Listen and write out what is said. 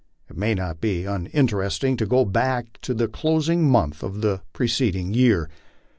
It may not be uninteresting to go back to the closing month of the preceding year.